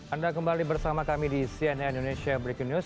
anda kembali bersama kami di cnn indonesia breaking news